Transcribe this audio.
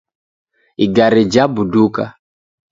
Igari jabuduka